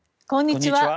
こんにちは。